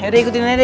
ya udah ikutin aja